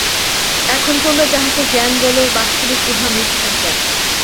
এখন তোমরা যাহাকে জ্ঞান বল, বাস্তবিক উহা মিথ্যাজ্ঞান।